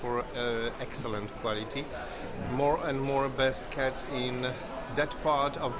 lebih banyak kucing terbaik di bagian dunia